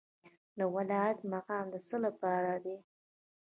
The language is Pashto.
د ولایت مقام د څه لپاره دی؟